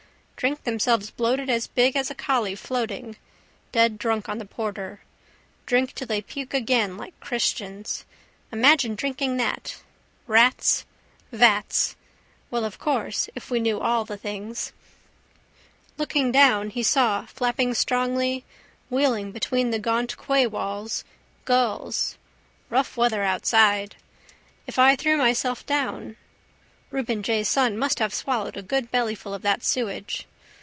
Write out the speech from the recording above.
Drink themselves bloated as big as a collie floating. Dead drunk on the porter. Drink till they puke again like christians. Imagine drinking that! Rats: vats. Well, of course, if we knew all the things. Looking down he saw flapping strongly, wheeling between the gaunt quaywalls, gulls. Rough weather outside. If I threw myself down? Reuben J's son must have swallowed a good bellyful of that sewage.